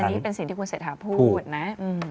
อันนี้เป็นสิ่งที่คุณเศรษฐาพูดนะ